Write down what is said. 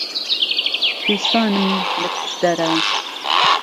کوێستانم لە پشدەرە